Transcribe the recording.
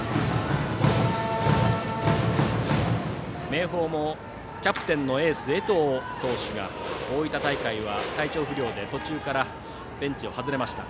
明豊もキャプテンのエース江藤投手が大分大会は体調不良で途中からベンチを外れました。